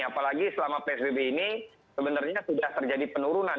apalagi selama psbb ini sebenarnya sudah terjadi penurunan